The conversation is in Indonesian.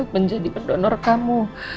menjadi pendonor kamu